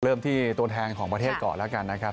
เริ่มที่ตัวแทนของประเทศก่อนแล้วกันนะครับ